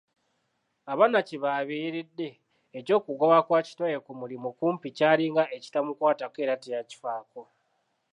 Abaana kye babeeredde, eky'okugobwa kwa kitaawe ku mulimu kumpi kyalinga ekitamukwatako era teyakifaako.